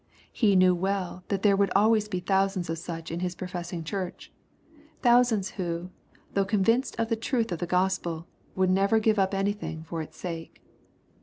He knew well that there would always be thousands of such in His professing Church, — thousands who, though con vinced of the truth of the Gospel, would never give up anything for its sake.